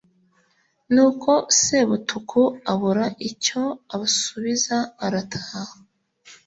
Nuko Sebutuku abura icyo abasubiza arataha.